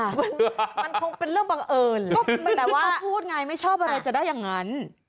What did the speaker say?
มันคงเป็นเรื่องบังเอิญแต่ว่าพูดไงไม่ชอบอะไรจะได้อย่างนั้น